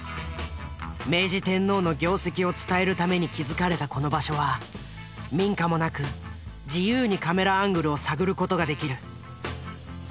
明治天皇の業績を伝えるために築かれたこの場所は民家もなく自由にカメラアングルを探る事ができる。